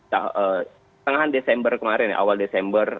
setengah desember kemarin awal desember